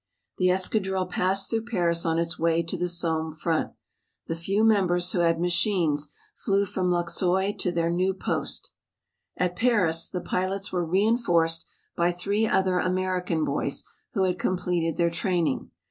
The escadrille passed through Paris on its way to the Somme front. The few members who had machines flew from Luxeuil to their new post. At Paris the pilots were reënforced by three other American boys who had completed their training.